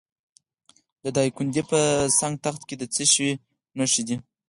د دایکنډي په سنګ تخت کې د څه شي نښې دي؟